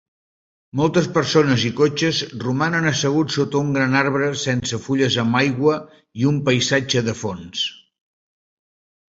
Moltes persones i cotxes romanen asseguts sota un gran arbre sense fulles amb aigua i un paisatge de fons.